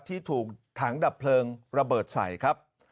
ที่ถูกถังดับเพลิงระเบิดใส่ครับ